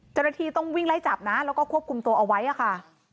เจ้าหน้าที่ต้องวิ่งไล่จับนะแล้วก็ควบคุมตัวเอาไว้ค่ะ